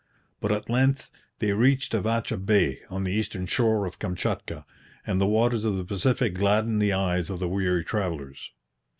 But at length they reached Avacha Bay on the eastern shore of Kamchatka, and the waters of the Pacific gladdened the eyes of the weary travellers.